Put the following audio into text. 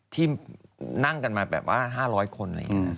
ที่นั่งกันมาแบบว่า๕๐๐คน